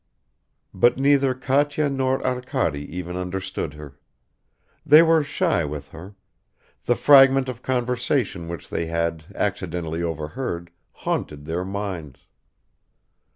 But neither Katya nor Arkady even understood her. They were shy with her; the fragment of conversation which they had accidentally overheard haunted their minds.